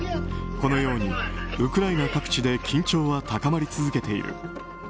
このようにウクライナ各地で緊張は高まり続けている。